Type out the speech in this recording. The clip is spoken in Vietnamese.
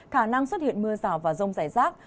khả năng xuất hiện mưa rào và rông rải rác